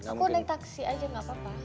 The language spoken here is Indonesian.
aku naik taksi aja gak apa apa